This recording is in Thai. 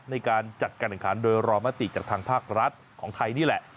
ในการจัดการแข่งขันโดยรอมติจากทางภาครัฐของไทยนี่แหละ